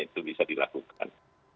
itu bisa dilakukan